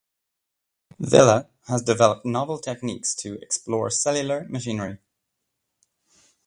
Villa has developed novel techniques to explore cellular machinery.